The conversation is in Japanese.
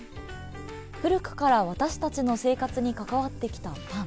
古くから私たちの生活に関わってきたパン。